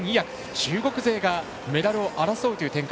中国勢がメダルを争う展開。